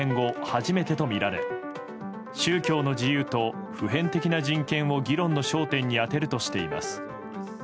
初めてとみられ宗教の自由と普遍的な人権を議論の焦点に当てるとしています。